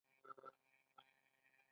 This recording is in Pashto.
د هند چای یا چای والا مشهور دی.